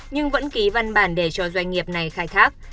nhưng vẫn ký văn bản để cho doanh nghiệp này khai thác